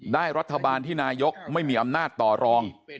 รัฐบาลที่นายกไม่มีอำนาจต่อรอง